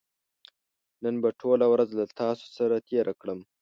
نن به ټوله ورځ له تاسو سره تېره کړم